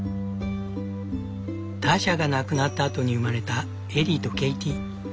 ターシャが亡くなった後に生まれたエリーとケイティ。